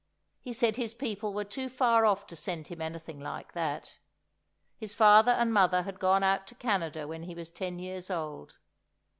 He said his people were too far off to send him anything like that: his father and mother had gone out to Canada when he was ten years old.